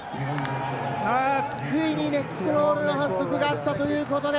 福井にネックロールの反則があったということで、